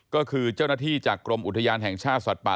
ก็คือเจ้าหน้าที่จากกรมอุทยานแห่งชาติสัตว์ป่า